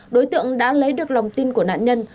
đối tượng đã lấy được lòng tin của nạn nhân